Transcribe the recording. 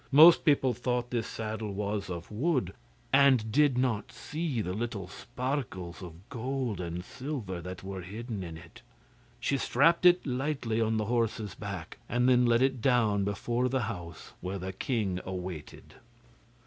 Most people thought this saddle was of wood, and did not see the little sparkles of gold and silver that were hidden in it. She strapped it lightly on the horse's back, and then led it down before the house, where the king waited.